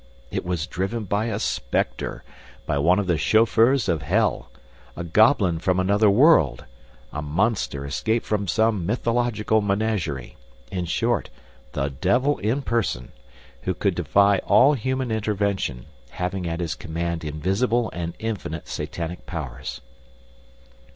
It was driven by a specter, by one of the chauffeurs of hell, a goblin from another world, a monster escaped from some mythological menagerie, in short, the devil in person, who could defy all human intervention, having at his command invisible and infinite satanic powers.